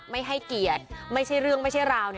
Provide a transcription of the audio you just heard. ไม่ให้เกลียดไม่ใช่เรื่องไม่ใช่ราวเนี่ย